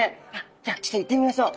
じゃあちょっと行ってみましょう。